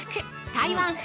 台湾風！